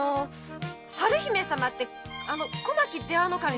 春姫様ってあの小牧出羽守様の？